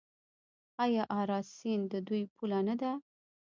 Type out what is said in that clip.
آیا اراس سیند د دوی پوله نه ده؟